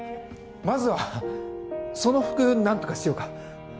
まずはその服何とかしようか。